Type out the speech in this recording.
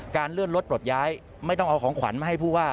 เลื่อนรถปลดย้ายไม่ต้องเอาของขวัญมาให้ผู้ว่า